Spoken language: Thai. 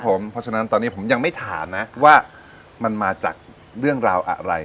เพราะฉะนั้นตอนนี้ผมยังไม่ถามนะว่ามันมาจากเรื่องราวอะไร